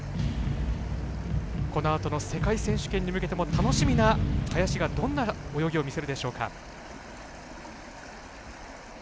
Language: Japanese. このあとの世界選手権に向けても楽しみな林がどんな泳ぎを見せるでしょうか。